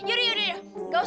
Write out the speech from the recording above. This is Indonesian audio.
yaudah yaudah yaudah